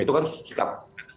itu kan sikap